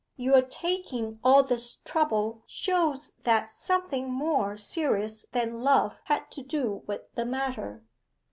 Your taking all this trouble shows that something more serious than love had to do with the matter.